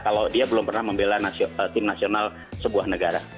kalau dia belum pernah membela tim nasional sebuah negara